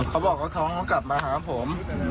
เขาบอกก็ท้องกลับมาหามาผม